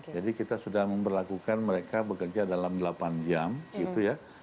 jadi kita sudah memperlakukan mereka bekerja dalam delapan jam gitu ya